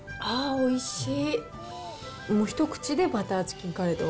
おいしい。